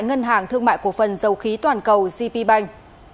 ngân hàng thương mại cổ phần dầu khí toàn cầu gp bank